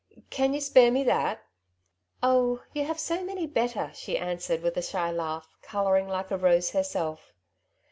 " Can you spare me that ?'^" Oh, you have so many better," she answered, with a shy laugh, colouring like a rose herself.